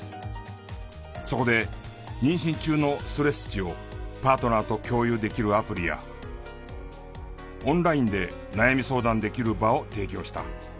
そこで妊娠中のストレス値をパートナーと共有できるアプリやオンラインで悩み相談できる場を提供した。